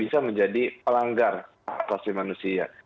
bisa menjadi pelanggar hak asasi manusia